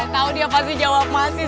tahu dia pasti jawab masih